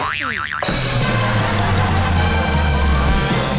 เมซิ